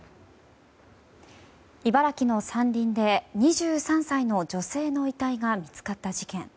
茨城の山林で２３歳の女性の遺体が見つかった事件。